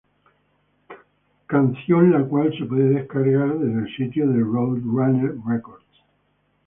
Canción la cual se puede descargar desde el sitio de Roadrunner Records.